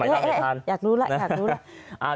เอ๊ะอยากรู้แล้ว